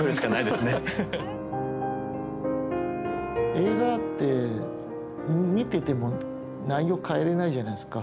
映画って見てても内容変えれないじゃないですか。